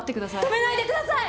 止めないでください！